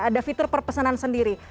ada fitur perpesanan sendiri